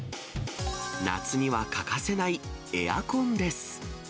夏には欠かせないエアコンです。